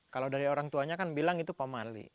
kalau dari orang tuanya kan bilang itu pemali